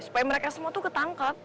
supaya mereka semua tuh ketangkap